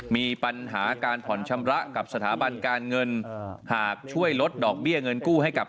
มีปัญหาการผ่อนชำระกับสถาบันการเงินหากช่วยลดดอกเบี้ยเงินกู้ให้กับ